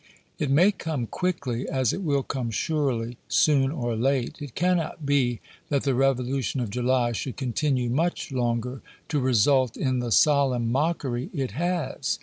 "It may come quickly, as it will come surely, soon or late! It cannot be that the Revolution of July should continue much longer to result in the solemn mockery it has.